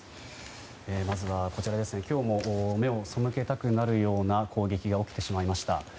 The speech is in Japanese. まずは今日も目をそむけたくなるような攻撃が起きてしまいました。